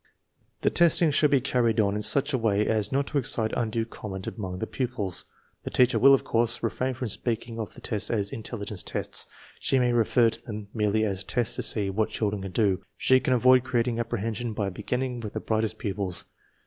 The testing should be carried on in such a way as not to excite undue comment among the pupils. The teacher will, of course, refrain from speaking of the tests as " intelligence tests." She may refer to them merely as " tests to see what children can do." She can avoid creating apprehension by beginning with the brightest pupils.